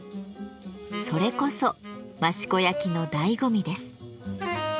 それこそ益子焼のだいご味です。